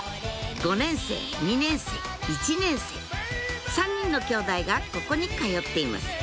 ５年生２年生１年生３人のきょうだいがここに通っています